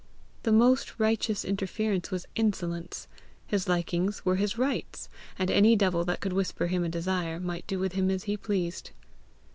The most righteous interference was insolence; his likings were his rights, and any devil that could whisper him a desire, might do with him as he pleased.